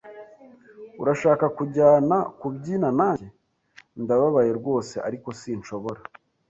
"Urashaka kujyana kubyina nanjye?" "Ndababaye rwose, ariko sinshobora."